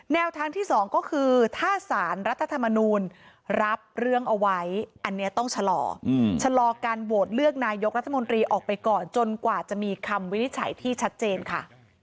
แนวทางที่สองก็คือถ้าสารรัฐธรรมนูลรับเรื่องเอาไว้อันนี้ต้องชะลอชะลอการโหวตเลือกนายกรัฐมนตรีออกไปก่อนจนกว่าจะมีคำวินิจฉัยที่ชัดเจนค่ะ